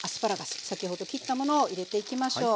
先ほど切ったものを入れていきましょう。